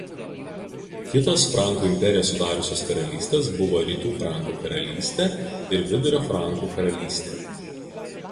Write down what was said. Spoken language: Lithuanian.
Kitos Frankų imperiją sudariusios karalystės buvo Rytų Frankų karalystė ir Vidurio Frankų karalystė.